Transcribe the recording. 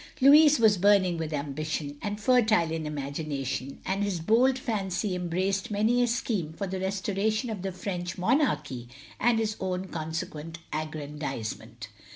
Louis was burning with ambition, and fertile in imagination, and his bold fancy embraced many a scheme for the restoration of the French monarchy, and his own consequent aggrandise ment.